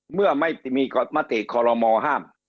เมื่อไม่มีกฎมติขอรมอห้าม